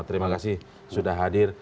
terima kasih sudah hadir